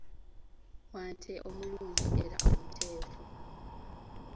Wante omulungi era omuteefu!